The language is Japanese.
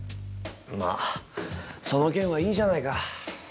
まぁその件はいいじゃないか。